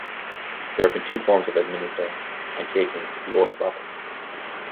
There have been two forms of administering, and taking, the oath of office.